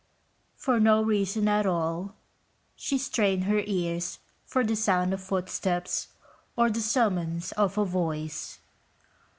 For no reason at all, she strained her ears for the sound of footsteps or the summons of a voice.